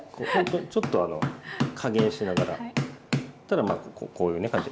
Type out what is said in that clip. ちょっと加減しながらただまあこういうね感じ。